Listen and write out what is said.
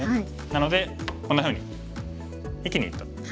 なのでこんなふうに生きにいった。